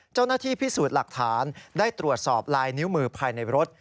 เจ้าหน้าที่พิสูจน์หลักฐานได้ตรวจสอบลายนิ้วมือภายในรถ